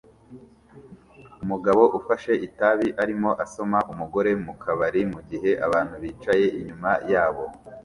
Umugabo ufashe itabi arimo asoma umugore mukabari mugihe abantu bicaye inyuma yabo